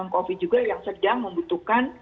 covid juga yang sedang membutuhkan